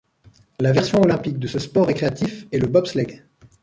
La version olympique de ce sport récréatif est le bobsleigh.